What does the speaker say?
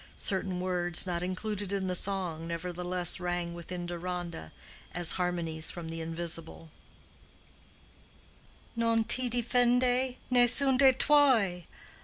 Certain words not included in the song nevertheless rang within Deronda as harmonies from the invisible, "Non ti difende Nessun de' tuoi!